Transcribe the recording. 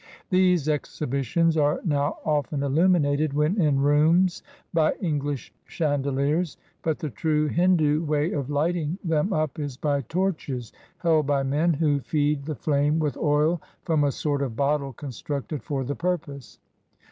These exhibitions are now often illuminated, when in rooms, by English chandeliers; but the true Hindu way of lighting them up is by torches held by men, who feed 170 INDIAN CUSTOMS AND MANNERS IN 1840 the flame with oil from a sort of bottle constructed for the purpose.